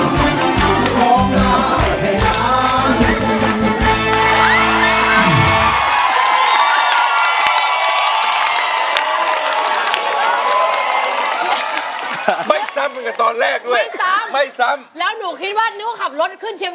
ร้องได้ให้ร้าง